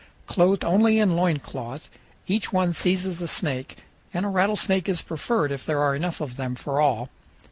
Clothed only in loincloth, each one seizes a snake, and a rattlesnake is preferred if there are enough of them for all.